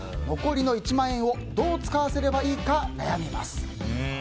残りの１万円をどう使わせればいいか悩んでいます。